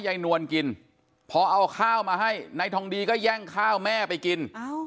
นวลกินพอเอาข้าวมาให้นายทองดีก็แย่งข้าวแม่ไปกิน